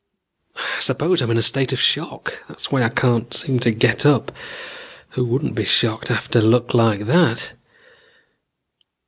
"I suppose I'm in a state of shock. That's why I can't seem to get up. Who wouldn't be shocked after luck like that?